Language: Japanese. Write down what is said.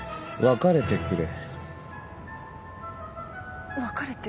別れてくれ？